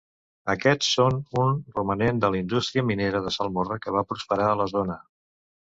Aquests són un romanent de la indústria minera de salmorra que va prosperar a la zona.